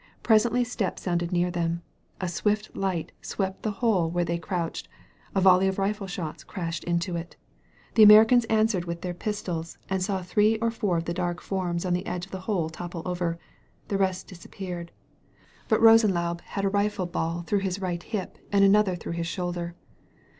Presently steps sounded near them. A swift light swept the hole where they crouched, a volley of rifle shots crashed into it. The Amer 156 "I'm going to carry you in, 'spite of hell." THE HEARING EAR icans answered with their pistols* and saw three or four of the dark forms on the edge of the hole topple over. The rest disappeared. But Rosenlaube had a rifle baU through his right hip and another through his shoulder.